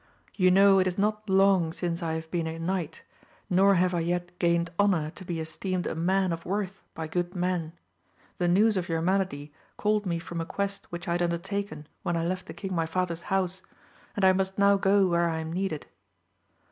You know it is not long since I have been a knight, nor have I yet gained honour to be esteemed a man of worth by good men. The news of your malady called me from a quest which I had undertaken when I left the king my father's house, and I must now go where I am needed.